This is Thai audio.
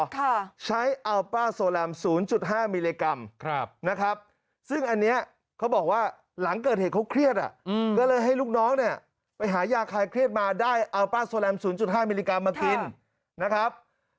ค่ะใช้อัลป้าโซแรมศูนย์จุดห้ามิลลิกรัมครับนะครับ